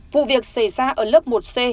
vụ việc xảy ra ở lớp một c